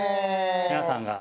皆さんが。